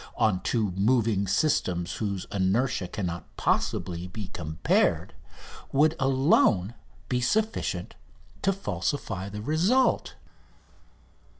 _ on two moving systems whose inertia cannot possibly be compared would alone be sufficient to falsify the result.